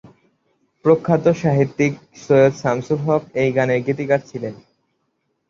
প্রখ্যাত সাহিত্যিক সৈয়দ শামসুল হক এই গানের গীতিকার ছিলেন।